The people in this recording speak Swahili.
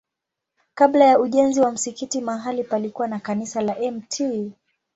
Kabla ya ujenzi wa msikiti mahali palikuwa na kanisa la Mt.